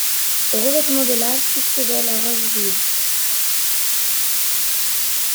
Au revêtement de lave succédait la roche vive.